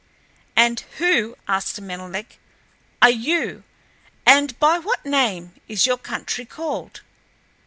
"And who," asked Menelek, "are you, and by what name is your country called?"